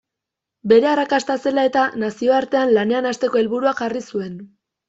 Bere arrakasta zela eta, nazioartean lanean hasteko helburua jarri zuen.